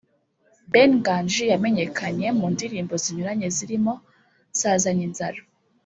Ben Nganji yamenyekanye mu ndirimbo zinyuranye zirimbo ‘Nsazanye inzara’